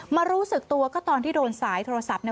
รู้สึกตัวก็ตอนที่โดนสายโทรศัพท์